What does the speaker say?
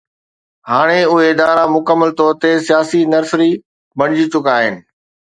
هاڻي اهي ادارا مڪمل طور تي سياسي نرسري بڻجي چڪا هئا.